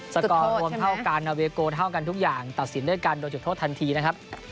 สกอร์รวมเท่ากันนาเวโกเท่ากันทุกอย่างตัดสินด้วยกันโดยจุดโทษทันทีนะครับ